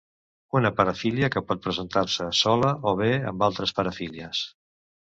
Una parafília que pot presentar-se sola o bé amb altres parafílies.